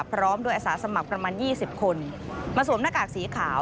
พร้อมด้วยอาสาสมัครประมาณ๒๐คนมาสวมหน้ากากสีขาว